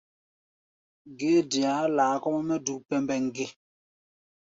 Ge é dea há̧ laa kɔ́-mɛ́ mɛ́ duk pɛmbɛŋ ge?